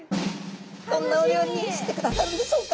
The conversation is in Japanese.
どんなお料理にしてくださるんでしょうか。